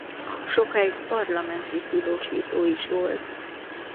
Sokáig parlamenti tudósító is volt.